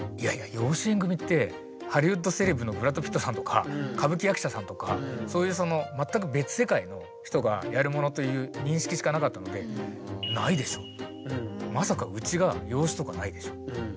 養子縁組ってハリウッドセレブのブラッド・ピットさんとか歌舞伎役者さんとかそういう全く別世界の人がやるものという認識しかなかったのでまさかうちが養子とかないでしょっていう。